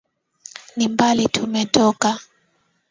Ni mbali tumetoka